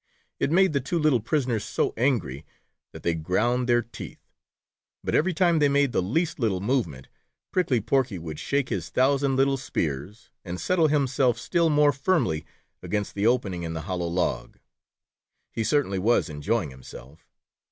It made the two little prisoners so angry that they ground their teeth, but every time they made the least little movement, Prickly Porky would shake his thousand little spears and settle himself still more firmly against the opening in the hollow log. He certainly was enjoying himself.